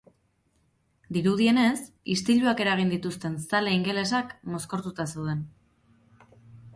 Dirudienez, istiluak eragin dituzten zale ingelesak mozkortuta zeuden.